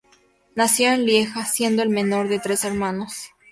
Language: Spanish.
Nació en Lieja, siendo el menor de tres hermanos.